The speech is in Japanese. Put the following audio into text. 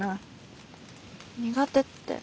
苦手って。